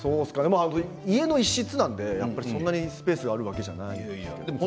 家の一室なのでそんなにスペースがあるわけじゃないので。